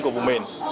của vùng mình